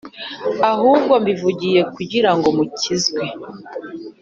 Ahubwo mbivugiye kugira ngo mukizwe